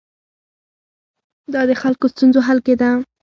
دا د خلکو ستونزو حل کې ده.